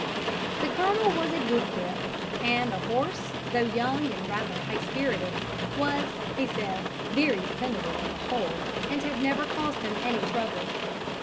The Colonel was a good whip, and the horse, though young and rather high spirited, was, he said, very dependable on the whole, and had never caused him any trouble.